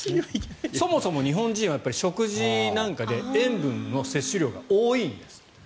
そもそも日本人は、食事なんかで塩分の摂取量が多いんですって。